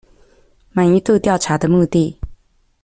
滿意度調查的目的